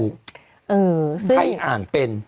ให้อ่านเป็น